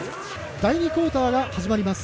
第２クオーターが始まります。